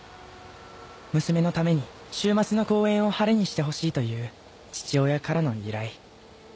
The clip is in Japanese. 娘のために週末の公園を晴れにしてほしいという父親からの依頼